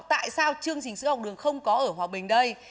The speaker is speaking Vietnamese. tại sao chương trình sữa học đường không có ở hòa bình đây